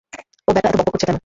ও বেটা এত বকবক করছে কেন?